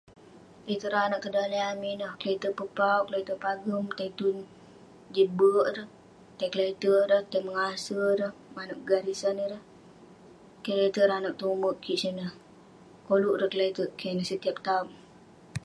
Itouk ireh anag tong daleh amik ineh, kle'terk pepauwk, kle'terk pagem, tai tun jin berk ireh..tai kle'terk ireh, tai mengase ireh..manouk garisan ireh.. keh le'terk ireh anag tong umerk kik sineh.koluk ireh kle'terk keh ineh setiap taop.